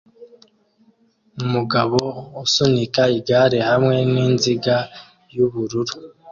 Umugabo usunika igare hamwe ninziga yubururu